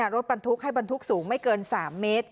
รถบรรทุกให้บรรทุกสูงไม่เกิน๓เมตร